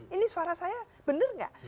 ini suara saya benar nggak